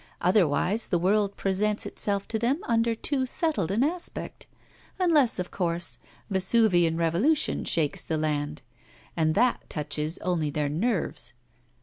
Otherwise the world presents itself to them under too settled an aspect unless, of course, Vesuvian Revolution shakes the land. And that touches only their nerves.